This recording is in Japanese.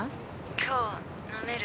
今日飲める？